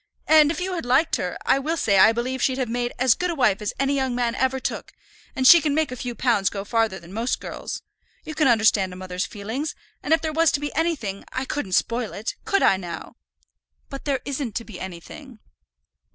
And if you had liked her, I will say I believe she'd have made as good a wife as any young man ever took; and she can make a few pounds go farther than most girls. You can understand a mother's feelings; and if there was to be anything, I couldn't spoil it; could I, now?" "But there isn't to be anything."